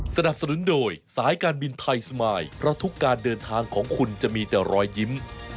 สนับสนุนโดยสายการบินไทยสมายเพราะทุกการเดินทางของคุณจะมีแต่รอยยิ้ม